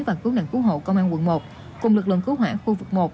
và cứu nạn cứu hộ công an quận một cùng lực lượng cứu hỏa khu vực một